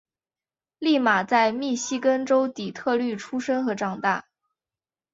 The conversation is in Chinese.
俪玛在密西根州底特律出生和长大。